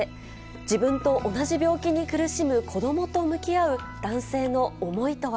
自分と同じ病気に苦しむ子どもと向き合う男性の思いとは。